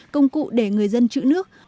công cụ để người dân trữ nước